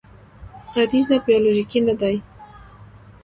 غریزه بیولوژیکي نه دی.